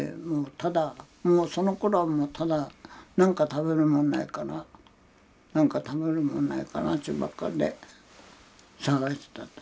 ただもうそのころはもうただ何か食べるもんないかな何か食べるもんないかなっちゅうばっかりで探しとった。